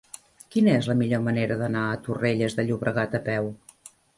Quina és la millor manera d'anar a Torrelles de Llobregat a peu?